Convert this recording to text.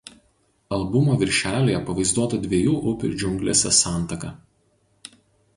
Albumo viršelyje pavaizduota dviejų upių džiunglėse santaka.